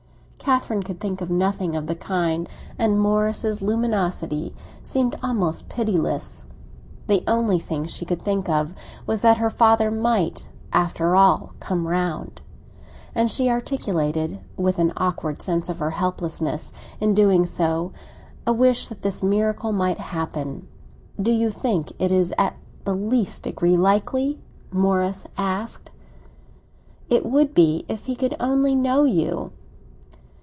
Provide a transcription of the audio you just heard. Catherine could think of nothing of the kind, and Morris's luminosity seemed almost pitiless. The only thing she could think of was that her father might, after all, come round, and she articulated, with an awkward sense of her helplessness in doing so, a wish that this miracle might happen. "Do you think it is in the least degree likely?" Morris asked. "It would be, if he could only know you!"